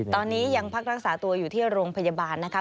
ตอนนี้ยังพักรักษาตัวอยู่ที่โรงพยาบาลนะคะ